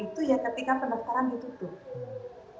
itu ya ketika pendaftaran ditutup